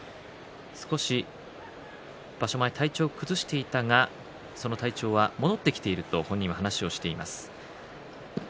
少し場所前、体調を崩していたがその体調が戻ってきていると本人は話をしています。